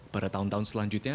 pada tahun tahun selanjutnya